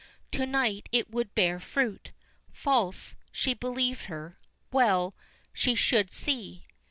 To night it would bear fruit. False, she believed her well, she should see.